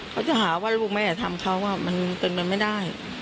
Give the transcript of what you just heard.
เขาจะหาว่าลูกแม่ทำเขามันเป็นไปไม่ได้